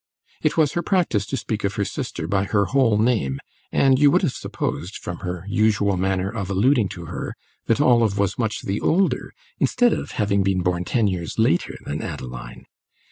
It was her practice to speak of her sister by her whole name, and you would have supposed, from her usual manner of alluding to her, that Olive was much the older, instead of having been born ten years later than Adeline.